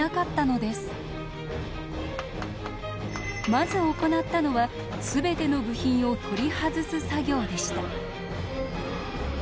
まず行ったのは全ての部品を取り外す作業でした。